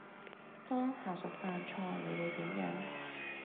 當下屬犯錯你會點樣？